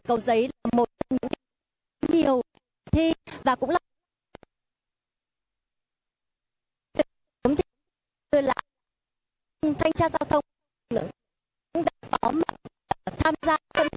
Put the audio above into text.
và đây thì chú có khăn gì